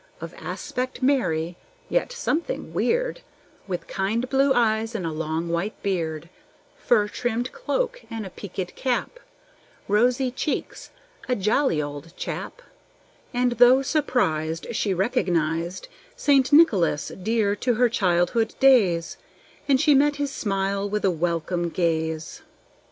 Of aspect merry, yet something weird, With kind blue eyes and a long white beard, Fur trimmed cloak, and a peakèd cap, Rosy cheeks, a jolly old chap; And, though surprised, she recognized St. Nicholas, dear to her childhood days, And she met his smile with a welcome gaze.